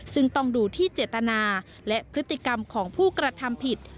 ซึ่งต้องดูที่เจตนาและพฤติกรรมของผู้กระทำผิด